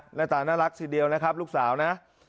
หน้าตาน่ารักทีเดียวนะครับลูกสาวนะ